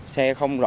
xe không rõ